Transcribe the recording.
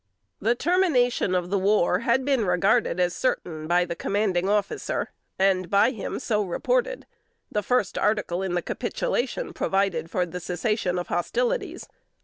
The termination of the war had been regarded as certain by the commanding officer, and by him so reported. The first article in the capitulation, provided for the cessation of hostilities.